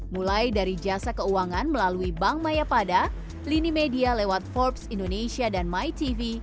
mulai dari jasa keuangan melalui bank mayapada lini media lewat forbes indonesia dan mytv